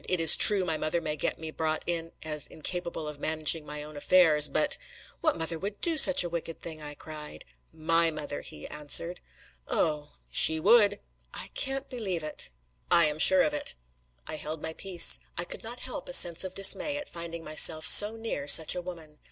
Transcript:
"It is true my mother may get me brought in as incapable of managing my own affairs; but " "What mother would do such a wicked thing!" I cried. "My mother," he answered. "Oh!" "She would!" "I can't believe it." "I am sure of it." I held my peace. I could not help a sense of dismay at finding myself so near such a woman.